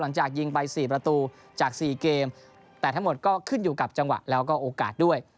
หลังจากยิงไป๔ประตูจาก๔เกมแต่ทั้งหมดก็ขึ้นอยู่กับจังหวะแล้วก็โอกาสด้วย